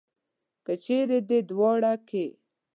که چېرې دې دواړو کې.